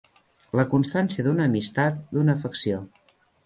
La constància d'una amistat, d'una afecció.